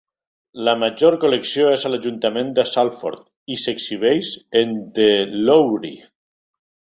La major col·lecció és a l'ajuntament de Salford i s'exhibeix en The Lowry.